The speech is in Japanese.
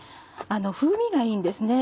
風味がいいんですね。